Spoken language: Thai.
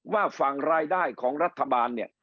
ว่าฝั่งรายได้ของรัฐบาล